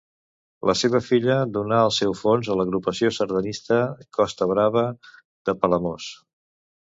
La seva filla donà el seu fons a l'Agrupació Sardanista Costa Brava de Palamós.